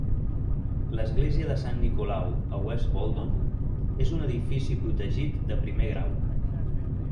L'església de Sant Nicolau a West Boldon és un edifici protegit de primer grau.